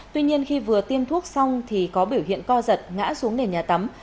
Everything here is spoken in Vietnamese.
tuy nhiên khi vừa tiêm thuốc xong thì có biểu hiện co giật ngã xuống nền nhà tắm